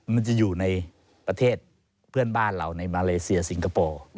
มันจะอยู่ในประเทศเพื่อนบ้านเราในมาเลเซียสิงคโปร์